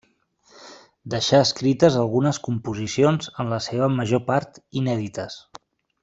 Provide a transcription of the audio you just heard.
Deixà escrites algunes composicions, en la seva major part inèdites.